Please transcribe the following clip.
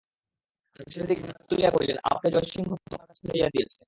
আকাশের দিকে হাত তুলিয়া কহিলেন, আমাকে জয়সিংহ তোমার কাছে পাঠাইয়া দিয়াছে।